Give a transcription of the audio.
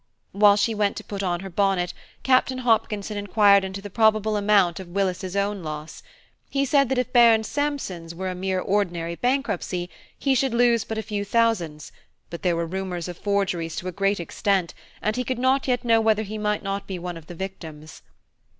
While she went to put on her bonnet, Captain Hopkinson inquired into the probable amount of Willis's own loss. He said that if Baron Sampson's were a mere ordinary bankruptcy, he should lose but a few thousands; but there were rumours of forgeries to a great extent, and he could not yet know whether he might not be one of the victims.